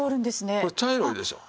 これ茶色いでしょう。